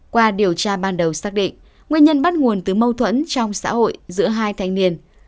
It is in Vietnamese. qua điều tra ban đầu xác định nguyên nhân bắt nguồn từ mâu thuẫn trong xã hội giữa hai thanh niên